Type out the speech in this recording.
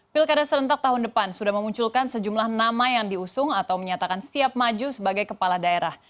pilkada serentak tahun depan sudah memunculkan sejumlah nama yang diusung atau menyatakan siap maju sebagai kepala daerah